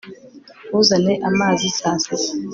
ntuzane amazi saa sita